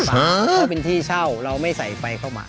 เพราะเป็นที่เช่าเราไม่ใส่ไฟเข้ามา